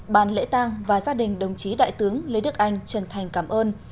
ban lễ tang và gia đình đồng chí đại tướng lê đức anh trân thành cảm ơn